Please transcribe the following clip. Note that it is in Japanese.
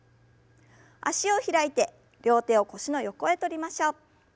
脚を開いて両手を腰の横へとりましょう。